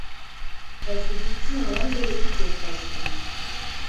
Ez bi dîtina wan gelekî kêfxweş bûm.